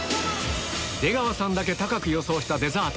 出川さんだけ高く予想したデザート